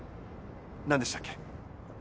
何でしたっけ？